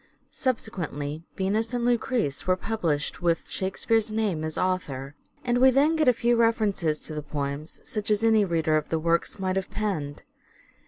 Subsequently, " Venus " and " Lucrece " were published with " Shakespeare's " name as author, and we then get a few references to the poems, such as any reader of the works might have penned.